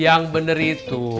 yang bener itu